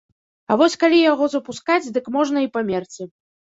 А вось калі яго запускаць, дык можна і памерці.